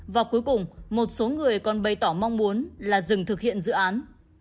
và cuối cùng một số người còn bày tỏ mong muốn là dừng thực hiện dự án